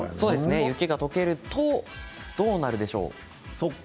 雪がとけるとどうなるでしょうか。